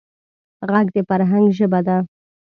غږ د فرهنګ ژبه ده